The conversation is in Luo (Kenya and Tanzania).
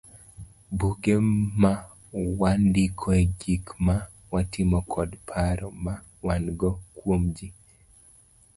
Buge ma wandikoe gik ma watimo kod paro ma wan go kuom ji.